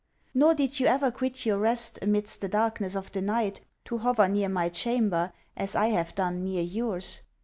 _ Nor did you ever quit your rest, amidst the darkness of the night, to hover near my chamber, as I have done near yours.